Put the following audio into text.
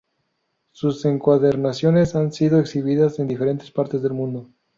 Sus encuadernaciones han sido exhibidas en diferentes partes del mundo.